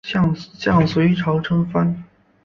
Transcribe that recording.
向隋朝称藩。